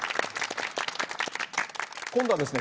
今度はですね